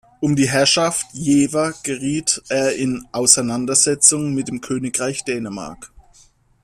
Um die Herrschaft Jever geriet er in Auseinandersetzungen mit dem Königreich Dänemark.